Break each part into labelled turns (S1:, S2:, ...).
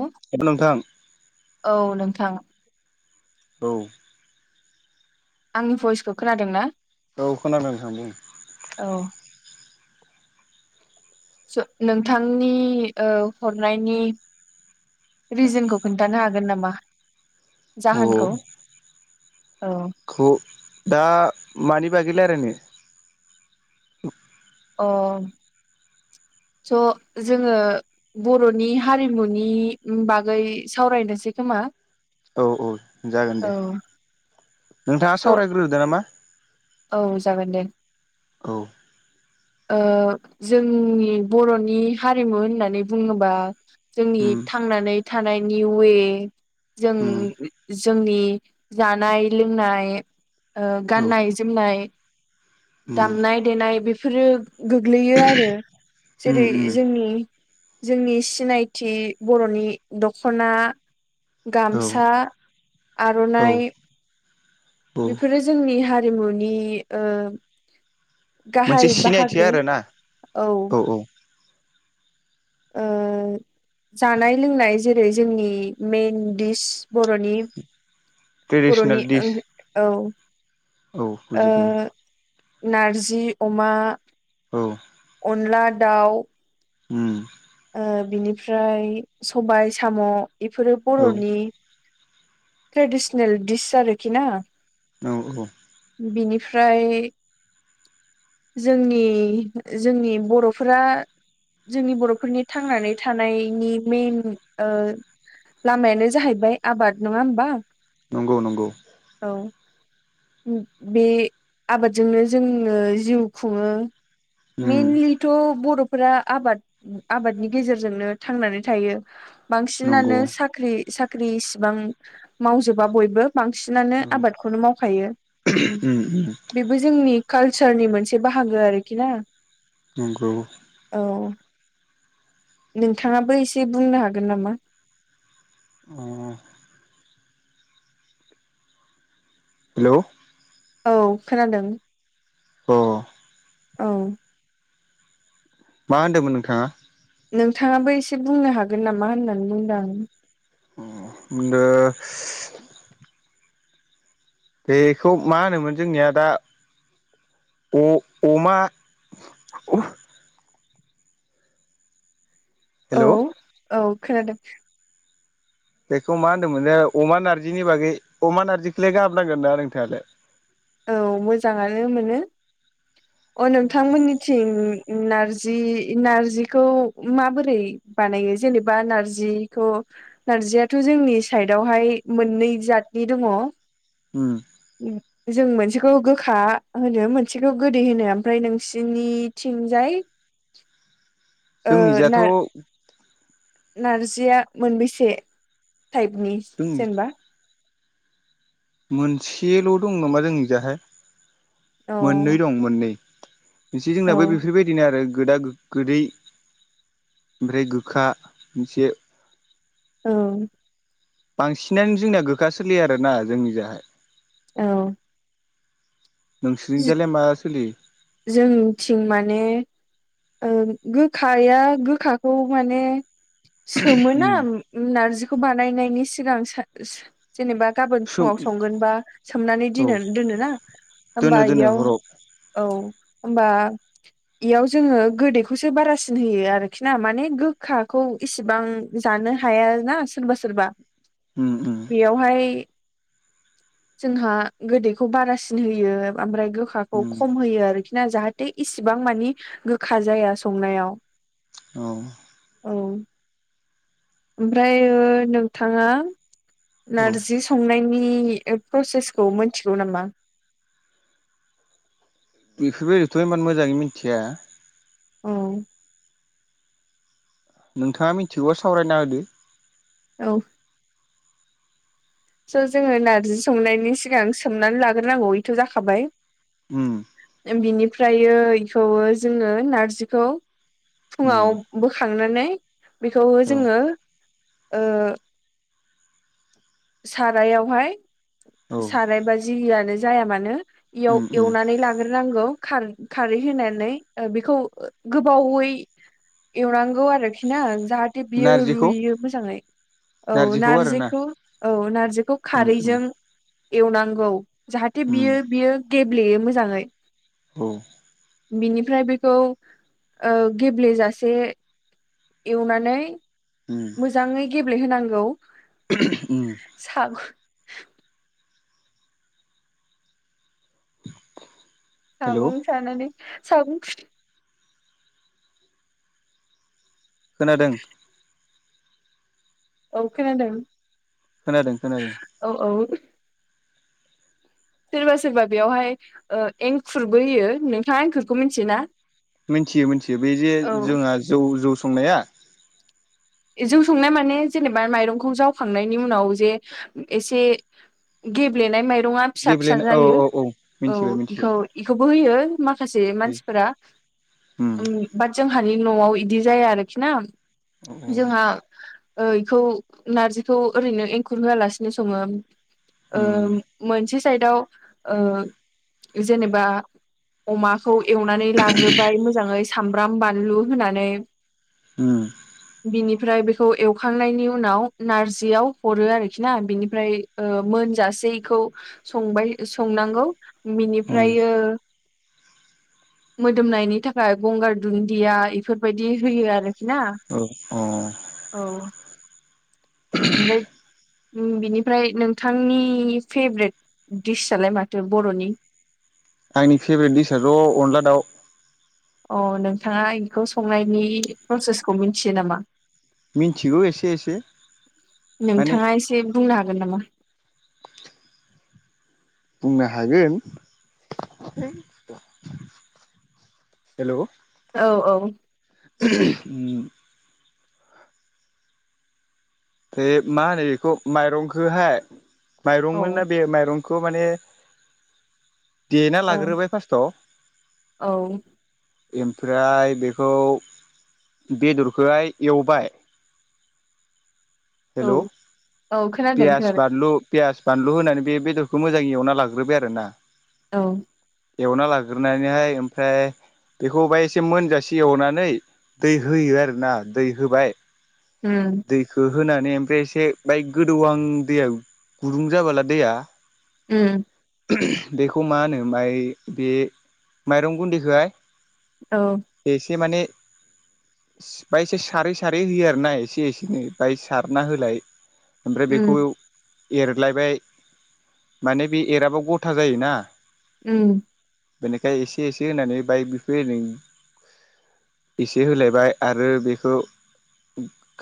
S1: उ
S2: हेब' नोंथां।
S1: औ नोंथां।
S2: औ।
S1: आंनि भइसखौ खोनादों ना?
S2: औ खोनादों नोंथां बुं।
S1: औ। स नोंथांनि ओ हरनायनि। रिजोनखौ खिन्थानो हागोन नामा?
S2: बुं।
S1: जाहोनखौ
S2: अ
S1: औ।
S2: खौ दा मानि बागै लायरायनो। [unintelligible]
S1: अ स' जोङो बर'नि हारिमुनि बागै सावरायनोसै खोमा।
S2: औ औ जागोन
S1: औ
S2: दे, नोंथाङा
S1: स'
S2: सावरायग्रोदो नामा।
S1: औ जागोन दे।
S2: औ
S1: ओ जोंनि बर'नि हारिमु होननानै बुङोबा जोंनि
S2: उम
S1: थांनानै थानायनि उवे जों
S2: उम
S1: जोंनि जानाय लोंनाय ओ
S2: औ
S1: गाननाय जोमनाय,
S2: उम
S1: दामनाय देनाय बेफोरो गोग्लैयो आरो।
S2: उम
S1: जेरै
S2: उम
S1: जोंनि जोंनि सिनायथि बर'नि दख'ना
S2: औ
S1: गामसा,
S2: औ
S1: आर'नाइ
S2: औ
S1: बेफोरो जोंनि हारिमुनि ओ
S2: मोनसे
S1: गाहाय
S2: सिनायथि
S1: बाहागो
S2: आरोना
S1: औ। ओ जानाय लोंनाय जेरै जोंनि मेइन दिस बर'नि बर'नि
S2: ट्रेडिसनेल दिस
S1: ओं औ
S2: औ बुजिदों
S1: ओ नारजि अमा
S2: औ
S1: अनला दाउ
S2: उम
S1: ओ बिनिफ्राय सबाय साम' बेफोरो
S2: औ
S1: बर'नि ट्रेडिसनेल दिस आरोखि ना
S2: औ औ
S1: बिनिफ्राय जोंनि जोंनि बर'फोरा जोंनि बर' बेफोरनि थांनानै थानायनि मेन लामायानो जाहैबाय आबाद नङा होमबा
S2: नंगौ नंगौ
S1: औ उम बे आबादजोंनो जोङो जिउ खुङो
S2: उम
S1: मेनलिथ' बर'फोरा आबाद आबादनि गेजेरजोंनो थांनानै थायो
S2: नंगौ
S1: बांसिनानो साख्रि साख्रि इसिबां मावजोबा बयबो बांसिनानो
S2: उम
S1: आबादखौनो मावखायो
S2: उम
S1: बेबो जोंनि कालसारनि मोनसे बाहागो आरोखि ना
S2: नंगौ
S1: औ नोंथाङाबो एसे बुंनो हागोन नामा
S2: अ हेलौ
S1: औ खोनादों
S2: अ
S1: औ
S2: मा होन्दोंमोन नोंथाङा
S1: नोंथाङाबो एसे बुंनो हागोन नामा होननानै बुंदां
S2: [unintelligible] बेखौ मा होनोमोन जोंनिया दा अ अमा
S1: औ
S2: हेलौ'
S1: औ खोनादों
S2: बेखौ मा होन्दोंमोननो अमा नारजिनि बागै अमा नारजिखौलाय गाहाम नांगोन ना नोंथाङालाय
S1: औ मोजाङानो मोनो अ नोंथांमोननि थिं नारजि नारजिखौ माबोरै बानायो जेनेबा नारजिखौ नारजियाथ' जोंनि साइदआवहाय मोननै जातनि दङ
S2: उम
S1: उम जों मोनसेखौ गोखा होनो मोनसेखौ गोदै होनो ओमफ्राय नोंसिनिथिंजाय ओ
S2: जोंनिजाथ'
S1: नार नारजिया मोनबेसे टाइपनि
S2: जोंनि
S1: जेनेबा
S2: मोनसेल' दं नामा जोंनिजाहाय मोननै
S1: औ
S2: दं मोननै बिसे
S1: औ
S2: जोंनाबो बेफोरबायदि बिदिनो आरो गोदा गोदै ओमफ्राय गोखा मोनसे
S1: औ
S2: बांसिनानो जोंनिया गोखा सोलियो आरोना जोंनि जाय
S1: औ
S2: नोंसोरनिजालाय माब सोलि
S1: जोंथिं माने गोखाया गोखाखौ माने सोमोना
S2: उम
S1: नारजिखौ बानायनायनि सिगां जेनेबा गाबोन
S2: सोम
S1: फुङाव संगोन बा सोमनानै
S2: औ
S1: द दोनोना होमबा
S2: दोनो दोनो
S1: इयाव
S2: हराव
S1: औ होमबा बेयाव जोङो गोदैखौसो बारासिन होयो आरोखि ना माने गोखाखौ इसिबां जानो हाया ना सोरबा सोरबा
S2: ओ
S1: बेवहाय जोंहा गोदैखौ बारासिन होयो आमफ्राय गो गोखौ
S2: उम
S1: खम होयो आरोखि ना जाहाथे इसिबां मानि गोखा जाया संनायाव
S2: औ
S1: औ ओमफ्राय नोंथाङा
S2: औ
S1: नारजि संनायनि प्रसेसखौ मिथिगौ नामा
S2: बेफोरबायदिथ' इमान मोजाङै मिथिया
S1: औ
S2: नोंथाङा मिथिगौबा सावरायना होदो
S1: औ स' जोङो नार्जि संनायनि सिगां सोमनानै लाग्रोनांगौ बेथ' जाखाबाय
S2: ओम
S1: बिनिफ्रायो बेखौबो जोङो नारजिखौ
S2: उम
S1: फुङाव बोखांनानै बेखौ
S2: औ
S1: जोङो ओ सारायावहाय
S2: औ
S1: सारायबा जियानो जाया मानो
S2: उम उम
S1: एव-एवनानै लागो नांगौ खार-खारै होनानै बेखौ गोबावै एवनांगौ आरोखि ना जाहा बियो
S2: नारजिखौ
S1: रुयो मोजाङै औ नारजिखौ औ नार्जिखौ
S2: उम उम
S1: खारैजों एवनांगौ जाहाथे
S2: उम
S1: बियो बियो गेब्लेयो मोजाङै
S2: औ
S1: बिनिफ्राय बेखौ ओ गेब्लेेजासे एवनानै
S2: उ
S1: मोजाङै गेब्लेहोनांगौ
S2: उ
S1: साम
S2: हेलौ
S1: सागुं सानानानै सागुं
S2: खोनादों
S1: औ खोनादों
S2: खोनादों खोनादों
S1: औ औ सोरबा सोरबा बेयावहाय एंखुरबो होयो नोंथाङा एंखुरखौ मिथियोना
S2: मिथियो मिथियो बे जे
S1: औ
S2: जोंहा जौ जौ संनाया
S1: जौ संनाय माने जेनेबा माइरंखौ जावखांनायनि उनाव जे एसे गेब्लेनाय माइरंआ फिसा फिसा
S2: गेब्लेनो औ
S1: जायो
S2: औ औ
S1: औ
S2: मिथिबाय
S1: बेखौ
S2: मिथिबाय
S1: बेखौबो होयो माखासे मानसिफोरा
S2: उम
S1: बाट जोंहानि न'आव इ बिदि जाया आरोखि ना
S2: औ औ
S1: जोंहा बेखौ नारजिखौ ओरैनो एंखुर होआलासिनो संङो ओ
S2: उम
S1: मोनसे साइदाव ओ जेनेबा अमाखौ एवनानै लाग्रोबाय मोजाङै सामब्राम बानलु होनानै
S2: उ
S1: बिनिफ्राय बेखौ एवखांनायनि उनाव नारजियाव हरो आरोखि ना बिनिफ्राय ओ मोनजासेखौ संबाय संनांगौ
S2: उम
S1: बिनिफ्रायो मोदोमनायनि थाखाय गंगार दुन्दिया इफोरबायदि होयो आरोखि ना
S2: औ अ
S1: औ ओमफ्राय बिनिफ्राय नोंथांनि फेभरेट दिडस आलाय माथो बर'नि
S2: आंनि फेभरेट दिडिसाआथ' अनला दाउ
S1: अ नोंथाङा बेखौ संनायनि प्रसेसखौ मिथियो नामा?
S2: मिन्थिगौ एसे एसे माने
S1: नोंथांङा एसे बुंनो हागोन नामा?
S2: बुंनो हागोन हेल'
S1: औ औ
S2: [unintelligible] बे मा होनो बेखौ माइरंखौहाय
S1: औ
S2: माइरंमोना बे माइरं खौ माने देना
S1: औ
S2: लाग्रोबाय फार्स्टाव
S1: औ
S2: ओमफ्राय बेखौ बेदरखौहाय एवबाय हेल'
S1: औ औ खोनादों
S2: पियास
S1: खोनादों
S2: बानलु पियास बानलु होनानै बे बेदरखौ मोजां एवना लाग्रोबाय आरो ना
S1: औ
S2: एवना लाग्रोनानैहाय ओमफ्राय बेखौ बाहाय एसे मोनजासे एवनानै दै होयो आरो ना दै होबाय
S1: उम
S2: दैखौ होनानै ओमफ्राय एसे बाय गोदौ आं दैया गुदुं जाबोला दैया
S1: उम
S2: बेखौ मा होनो माइ बे माइरं गुन्दैखोहाय
S1: औ
S2: एसे माने बाहायस सारै सारै होयो आरो ना एसे एसेनै बाहाय सारना होलाय ओमफ्राय बेखौ
S1: उम
S2: एरलायबाय माने बे एराबा गथा जायोना
S1: उम
S2: बेनिखाय एसे एसे होनानै बाइक बिखो इरिनो एसे होलायबाय आरो बेखौ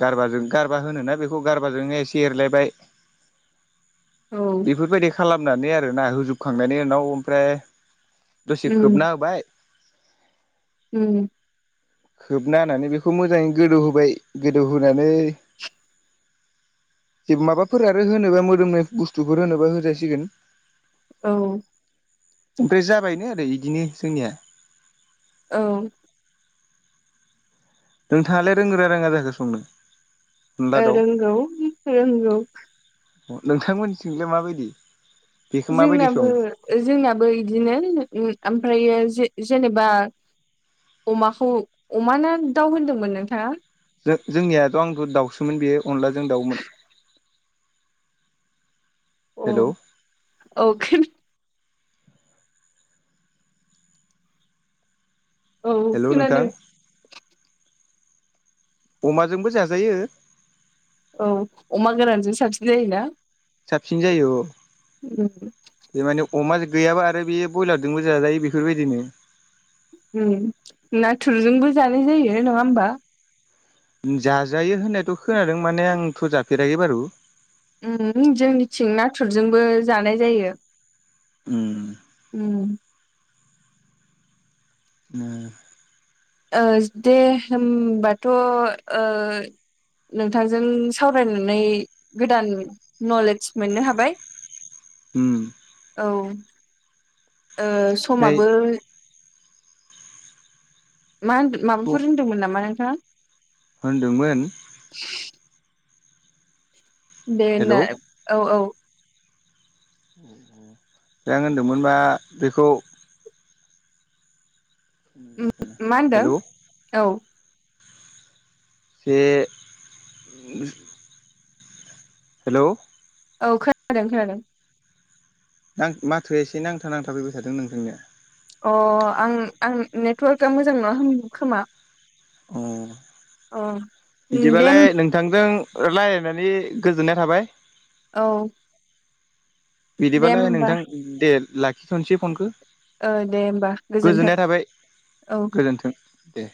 S2: गारबाजों गारबा होनोना बेखौ गारबाजोंनो एसे एरलायबाय
S1: औ
S2: बेफोरबायदि खालामनानै आरोना होजोबखांनायनि उनाव ओमफ्राय दसे
S1: उम
S2: खोबना होबाय
S1: उम
S2: खोबना होनानै बेखौ मोजाङै गोदौ होबाय गोदौहोनानै जे माबाफोर आरो होनोबा मोदोमनाय बुस्थुफोर होनोबा होजासिगोन।
S1: औ
S2: ओमफ्राय जाबायनो आरो इदिनो जोंनिया
S1: औ
S2: नोंथांङालाय रोंगोना रोंङा जाखो संनो अनला दाउ
S1: रोंगौ रोंगौ
S2: नोंथांमोनथिंलाय माबायदि बेखौ माबायदि
S1: जोंनाबो
S2: सङो
S1: जोंनाबो इदिनो ओमफ्रायो जेनेबा अमाखौ अमा ना दाउ होनदोंमोन नोंथांङा
S2: जों जोंनियाथ' आंथ' दाउसोमोन बेयो अनलाजों दाउमोन।
S1: अ
S2: हेल'
S1: औ [unintelligible] औ
S2: हेलौ नोंथां
S1: खोनादों
S2: अमाजोंबो जाजायो
S1: औ अमा गोरानजों साबसिन जायोना।
S2: साबसिन जायो अ
S1: उम
S2: बे माने अमा गैयाबा आरो बेयो बयलारजोंबो जाजायो बेफोरबायदिनो
S1: उम नाथुरजोंबो जानाय जायो नंङा होमबा
S2: जाजायो होननायाथ' खोनादों माने आंथ' जाफेराखै बारु
S1: उम जोंनिथिं नाथुरजोंबो जानाय जायो।
S2: उम
S1: उम
S2: उम
S1: ओस दे होमबाथ' ओ नोंथांजों सावरायनानै गोदान नलेज मोननो हाबाय।
S2: उम
S1: औ ओ समाबो मा माबाफोर होनदोंमोन नामा नोंथाङा?
S2: होनदोंमोन।
S1: दे ना
S2: हेलौ
S1: औ औ
S2: दा आं होनदोंमोन मा बेखौ
S1: मा होनदों
S2: हेलौ
S1: औ
S2: जे [unintelligible] हेलौ
S1: औ खोनादों खोनादों।
S2: दा आं माथो एसे नांथा नांथा फैबाय थादों नोंथांनिया।
S1: अ' आं आं नेट्रखा मोजां नङा होन खोमा
S2: अ
S1: अ' उम देम
S2: थांजों रायलायनानै गोजोननाय थाबाय।
S1: औ दे
S2: बिदिबालाय
S1: होमबा
S2: नोंथां दे लाखिथ'नोसै फनखो।
S1: ओ दे होमबा गोजोन्थों
S2: गोजोननाय थाबाय
S1: औ
S2: गोजोन्थों दे।